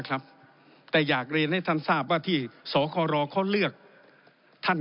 ครับแต่อยากเรียนให้ท่านทราบว่าที่สครเขาเลือกท่าน